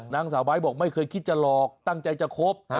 นางสาวไบท์บอกไม่เคยคิดจะหลอกตั้งใจจะคบ